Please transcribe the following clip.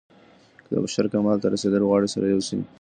که د بشر کمال ته رسېدل غواړئ سره يو سئ.